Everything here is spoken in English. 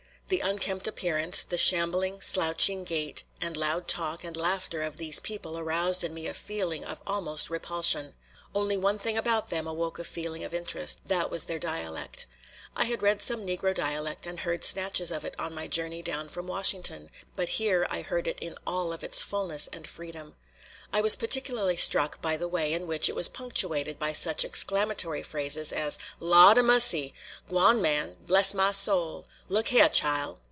The unkempt appearance, the shambling, slouching gait and loud talk and laughter of these people aroused in me a feeling of almost repulsion. Only one thing about them awoke a feeling of interest; that was their dialect. I had read some Negro dialect and had heard snatches of it on my journey down from Washington; but here I heard it in all of its fullness and freedom. I was particularly struck by the way in which it was punctuated by such exclamatory phrases as "Lawd a mussy!" "G'wan, man!" "Bless ma soul!" "Look heah, chile!"